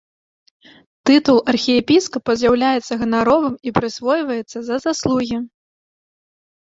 Тытул архіепіскапа з'яўляецца ганаровым і прысвойваецца за заслугі.